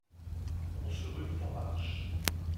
On se remit en marche.